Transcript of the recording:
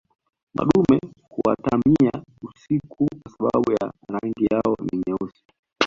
madume huatamia usiku kwa sababu ya rangi yao ni nyeusi